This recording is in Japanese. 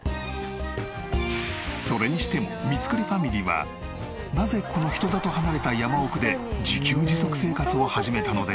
それにしても三栗ファミリーはなぜこの人里離れた山奥で自給自足生活を始めたのでしょう？